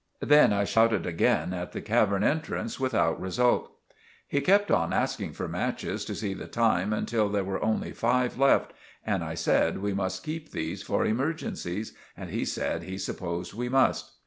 Then I shouted again at the cavern entrance without result. He kept on asking for matches to see the time until there were only five left, and I said we must keep these for immergencies, and he said he supposed we must.